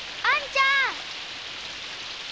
あんちゃん！